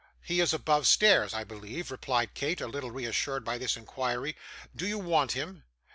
'He is above stairs, I believe,' replied Kate, a little reassured by this inquiry. 'Do you want him?